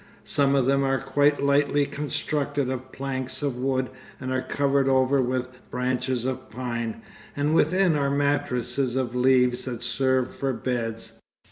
Some of them are quite lightly constructed of planks of wood and are covered over with branches of pine, and within are mattresses of leaves that serve for beds.